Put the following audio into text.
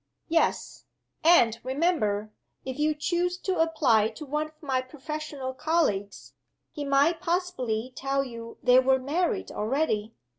"Yes. And, remember, if you choose to apply to one of my professional colleagues, he might possibly tell you they were married already.